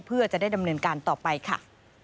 เพื่อจะได้ดำเนินการต่อไปค่ะ